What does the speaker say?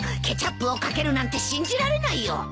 ケチャップを掛けるなんて信じられないよ。